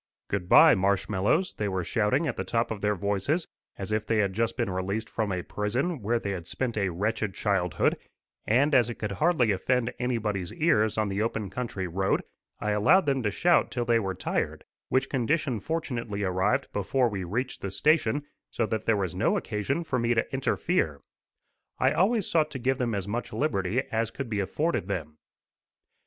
"Good bye, Marshmallows," they were shouting at the top of their voices, as if they had just been released from a prison, where they had spent a wretched childhood; and, as it could hardly offend anybody's ears on the open country road I allowed them to shout till they were tired, which condition fortunately arrived before we reached the station, so that there was no occasion for me to interfere. I always sought to give them as much liberty as could be afforded them.